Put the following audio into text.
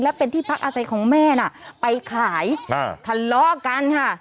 และเป็นที่พักอาศัยของแม่น่ะไปขายทะเลาะกันค่ะ